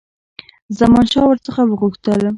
زمانشاه ور څخه وغوښتل.